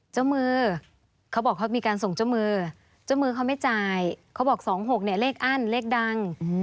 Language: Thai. ถูกออกนี่เลขอั้นเลขดัง